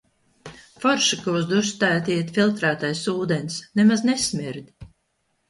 Forši, ka uz dušu tagad iet filtrētais ūdens – nemaz nesmird.